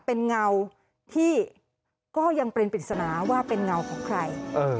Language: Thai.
เป็นเงาที่ก็ยังเป็นปริศนาว่าเป็นเงาของใคร